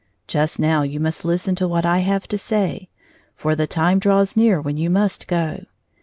Just now you must listen to what I have to say, for the time draws near when you must go.